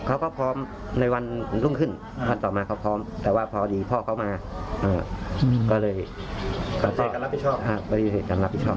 เขาก็พร้อมในวันลุ่มขึ้นแต่พอดีพ่อเขามาก็เลยปฏิเสธการรับผิดชอบ